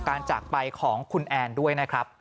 ต่อการจากไปของคุณแอร์ด้วยนะครับ